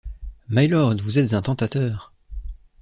Mylord, vous êtes un tentateur.